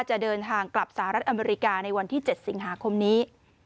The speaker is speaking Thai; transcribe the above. จะเดินทางกลับสหรัฐอเมริกาในวันที่๗สิงหาคมนี้